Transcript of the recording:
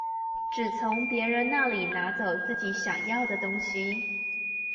只從別人那裡拿走自己想要的東西